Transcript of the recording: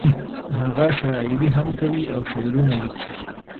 هغه شاعري هم کوي او شعرونه ليکي